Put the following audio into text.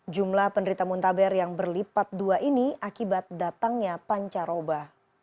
jumlah penderita muntaber yang berlipat dua ini akibat datangnya pancaroba